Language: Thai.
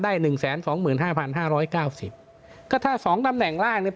หนึ่งแสนสองหมื่นห้าพันห้าร้อยเก้าสิบก็ถ้าสองตำแหน่งร่างเนี่ย